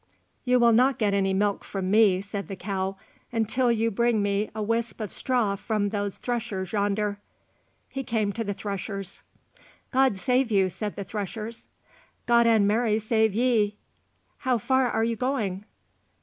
"You will not get any milk from me," said the cow, "until you bring me a whisp of straw from those threshers yonder." He came to the threshers. "God save you," said the threshers. "God and Mary save ye." "How far are you going?"